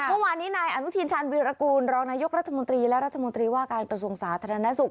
เมื่อวานนี้นายอนุทินชาญวีรกูลรองนายกรัฐมนตรีและรัฐมนตรีว่าการกระทรวงสาธารณสุข